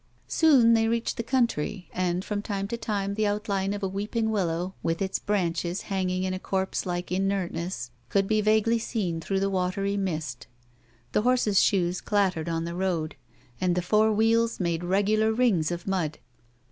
Soon they reached the country, and from time to time the outline of a weeping willow, with its branches hanging in a corpse like inertness, could be vaguely seen through the watery mist. The horses' shoes clattered on the road ; and the four wheels made regular rings of mud.